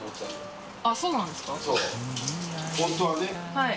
はい。